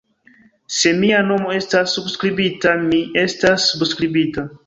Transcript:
Se mia nomo estas subskribita, mi estas subskribita.